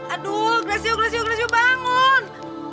aduh lesyu lesyu lesyu bangun